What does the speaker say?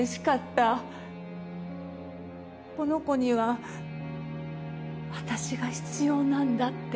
この子には私が必要なんだって。